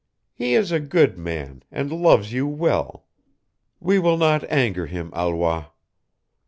He is a good man and loves you well: we will not anger him, Alois."